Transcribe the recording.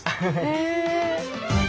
へえ。